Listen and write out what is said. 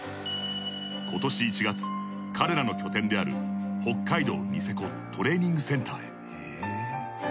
今年１月彼らの拠点である北海道ニセコトレーニングセンターへ。